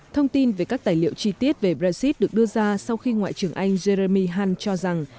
thông tin về các tài liệu chi tiết về brexit được đưa ra sau khi ngoại trưởng anh jeremy hunt cho rằng